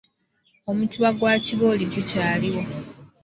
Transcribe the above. Omutuba gwa Kibooli gukyaliwo.